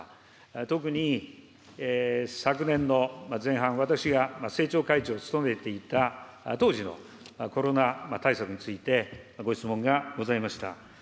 特に、昨年の前半、私が政調会長を務めていた当時のコロナ対策についてご質問がございました。